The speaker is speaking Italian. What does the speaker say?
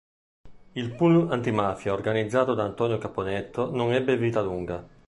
Il "pool" antimafia organizzato da Antonino Caponnetto non ebbe vita lunga.